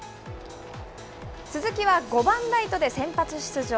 鈴木は５番ライトで先発出場。